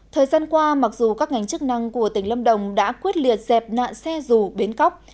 thời gian qua mặc dù các ngành chức năng của tỉnh lâm đồng đã quyết liệt dẹp nạn xe dù bến cóc